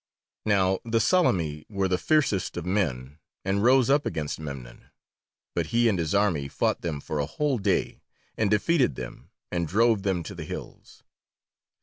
Now the Solymi were the fiercest of men and rose up against Memnon, but he and his army fought them for a whole day, and defeated them, and drove them to the hills.